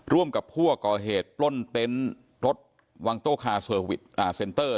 ร่วมกับผู้ก่อเหตุปล้นเต็นต์รถวางโต้คาเซนเตอร์